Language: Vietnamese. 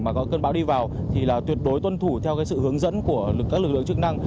mà có cơn bão đi vào thì là tuyệt đối tuân thủ theo sự hướng dẫn của các lực lượng chức năng